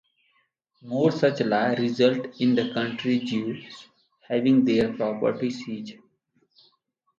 More such laws resulted in the country's Jews having their property seized.